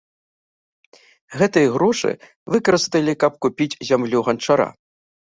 Гэтыя грошы выкарысталі, каб купіць зямлю ганчара.